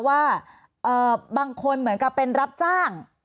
ว่าบางคนเหมือนกับเป็นรับจ้าง